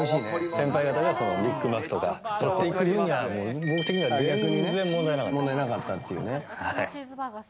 先輩方がビッグマックとか取っていくぶんには、僕的には全然問題なかったっていうね。